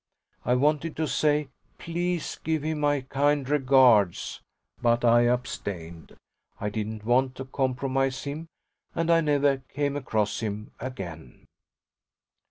I wanted to say "Please give him my kind regards"; but I abstained I didn't want to compromise him; and I never came across him again.